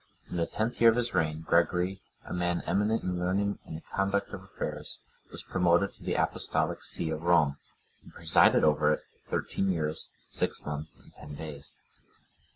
In the tenth year of his reign, Gregory,(104) a man eminent in learning and the conduct of affairs, was promoted to the Apostolic see of Rome, and presided over it thirteen years, six months and ten days.